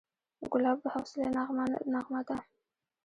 ګلاب د حوصلې نغمه ده.